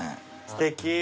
すてき。